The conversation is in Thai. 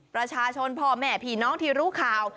ประชาชนพ่อแม่ผีน้องที่รู้ข่าว